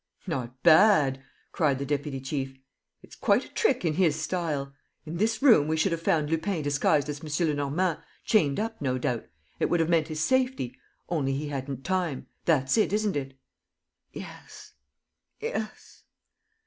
..." "Not bad," cried the deputy chief. "It's quite a trick in his style. In this room, we should have found Lupin disguised as M. Lenormand, chained up, no doubt. It would have meant his safety; only he hadn't time. That's it, isn't it?" "Yes ... yes